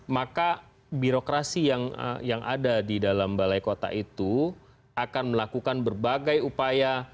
maka birokrasi yang ada di dalam balai kota itu akan melakukan berbagai upaya